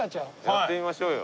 やってみましょうよ。